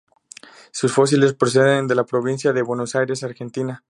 Sus fósiles proceden de la provincia de Buenos Aires en Argentina.